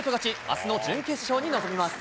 あすの準決勝に臨みます。